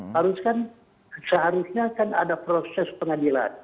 haruskan seharusnya kan ada proses pengadilan